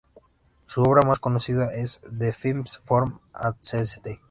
Su obra más conocida es "The Fifth Form at St.